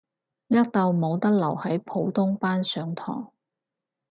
叻到冇得留喺普通班上堂